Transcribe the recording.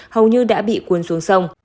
hầu như đã bị cuốn xuống sông